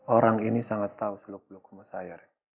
orang ini sangat tahu selok selok rumah saya